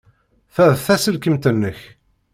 Ta d taselkimt-nnek.